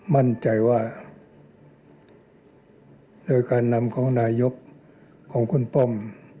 มั่นใจว่าโดยการนำของนายกของคุณป้อม